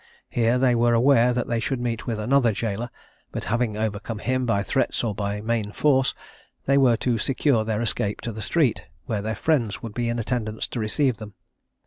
Here they were aware that they should meet with another gaoler; but having overcome him by threats or by main force, they were to secure their escape to the street, where their friends would be in attendance to receive them.